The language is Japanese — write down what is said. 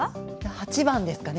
８番ですかね